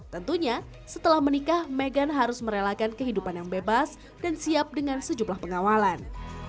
tentunya setelah menikah meghan harus merelakan kehidupan yang bebas dan siap dengan sejumlah pengawalan